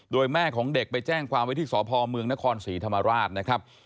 โดยแม่ของเด็กไปแจ้งความไว้ที่สพเมืองนครศรีธรรมราชนะครับ